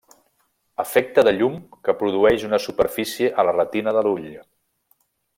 Efecte de llum que produeix una superfície a la retina de l'ull.